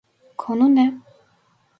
Konu ne?